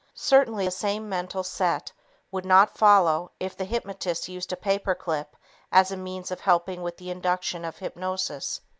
Certainly the same mental set would not follow if the hypnotist used a paper clip as a means of helping with the induction of hypnosis.